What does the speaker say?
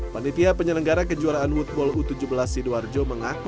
panitia penyelenggara kejuaraan wood bowl u tujuh belas sidoarjo